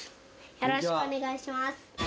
よろしくお願いします。